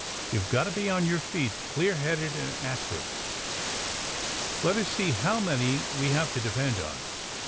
You've got to be on your feet, clear headed and active. Let us see how many we have to depend on.